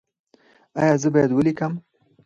ایا زه باید ولیکم؟